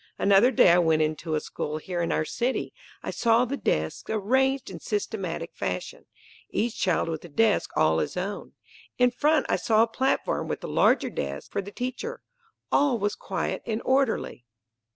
Another day I went into a school here in our city. I saw the desks arranged in systematic fashion, each child with a desk all his own. In front I saw a platform, with a larger desk, for the teacher. All was quiet and orderly.